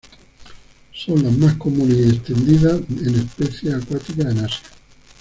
Son las más comunes y extendidas en especies acuáticas en Asia.